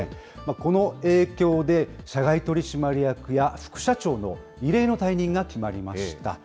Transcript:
この影響で、社外取締役や副社長の異例の退任が決まりました。